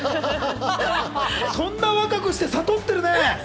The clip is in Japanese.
そんな、若くして悟ってるね。